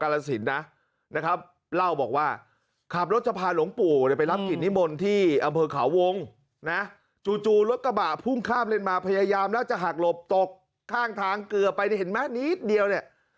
แล้วบอกว่าขับรถจะพาหลงปู่ไปรับกินในบนที่อำเภอขาวงเนี่ยจูรถกระบะพุ่งข้ามเลี่ยนมาประยายามแล้วจะหักหลบตกข้างทางเกลือไปนี่เห็นไม๊นิดเดียวเนี่ย